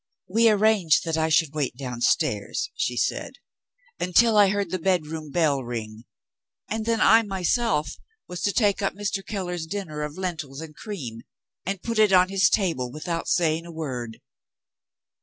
"We arranged that I should wait downstairs," she said, "until I heard the bedroom bell ring and then I myself was to take up Mr. Keller's dinner of lentils and cream, and put it on his table without saying a word."